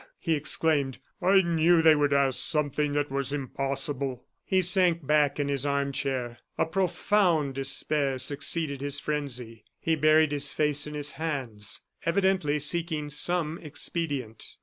he exclaimed. "I knew they would ask something that was impossible!" He sank back in his arm chair. A profound despair succeeded his frenzy. He buried his face in his hands, evidently seeking some expedient.